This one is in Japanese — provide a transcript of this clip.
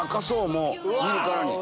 もう見るからに。